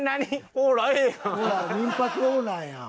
ほら民泊オーナーやん。